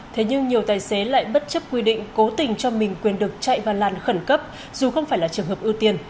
thế nhưng nhiều tài xế lại bất chấp quy định cố tình cho mình quyền được chạy vào làn khẩn cấp dù không phải là trường hợp ưu tiên